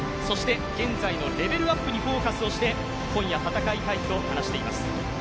現在のレベルアップにフォーカスをして今夜戦いたいと話しています。